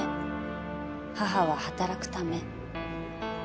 母は働くため。